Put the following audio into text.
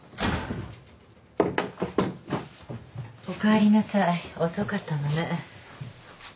おかえりなさい遅かったのね。